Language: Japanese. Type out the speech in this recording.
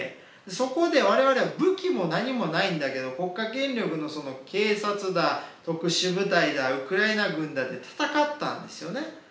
そこで我々は武器も何もないんだけど国家権力のその警察だ特殊部隊だウクライナ軍だって戦ったんですよね。